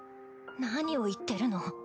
何を言ってるの？